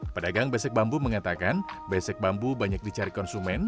pedagang besek bambu mengatakan besek bambu banyak dicari konsumen